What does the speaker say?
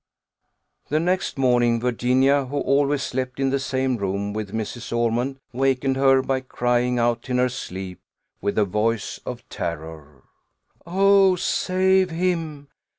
The next morning Virginia, who always slept in the same room with Mrs. Ormond, wakened her, by crying out in her sleep, with a voice of terror, "Oh, save him!